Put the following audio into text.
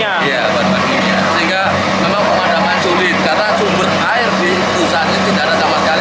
iya bahan bahan kimia sehingga memang pengadaman sulit karena sumber air di pusatnya tidak ada sama sekali tanpa hidran